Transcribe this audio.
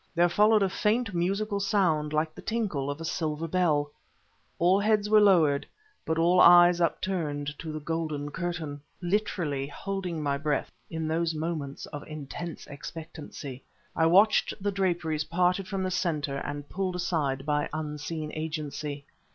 There followed a faint, musical sound, like the tinkle of a silver bell. All heads were lowered, but all eyes upturned to the golden curtain. Literally holding my breath, in those moments of intense expectancy, I watched the draperies parted from the center and pulled aside by unseen agency.